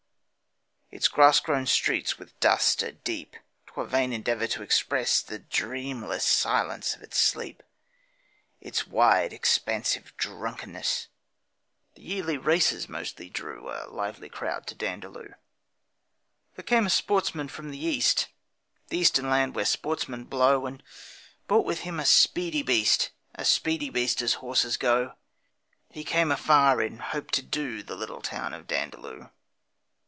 It's grass grown streets with dust are deep, 'Twere vain endeavour to express The dreamless silence of its sleep, Its wide, expansive drunkenness. The yearly races mostly drew A lively crowd to Dandaloo. There came a sportsman from the East, The eastern land where sportsmen blow, And brought with him a speedy beast A speedy beast as horses go. He came afar in hope to 'do' The little town of Dandaloo.